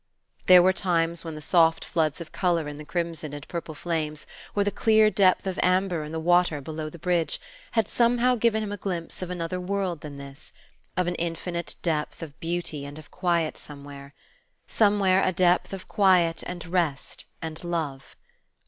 There were times when the soft floods of color in the crimson and purple flames, or the clear depth of amber in the water below the bridge, had somehow given him a glimpse of another world than this, of an infinite depth of beauty and of quiet somewhere, somewhere, a depth of quiet and rest and love.